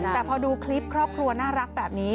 แต่พอดูคลิปครอบครัวน่ารักแบบนี้